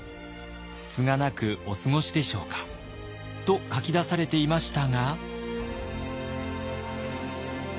つつがなくお過ごしでしょうか」と書き出されていましたが。